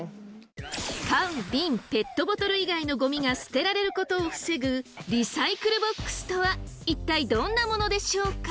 缶・ビン・ペットボトル以外のゴミが捨てられることを防ぐリサイクルボックスとは一体どんなものでしょうか？